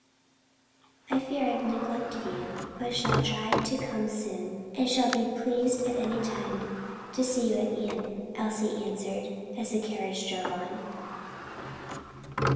"I fear I have neglected you, but shall try to come soon. And shall be pleased at any time to see you at Ion," Elsie answered as the carriage drove on.